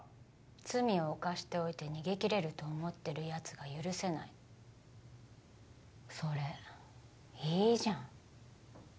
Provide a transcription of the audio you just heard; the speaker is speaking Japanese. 罪を犯しておいて逃げきれると思ってるやつが許せないそれいいじゃん